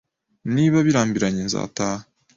Niba birambiranye, nzataha.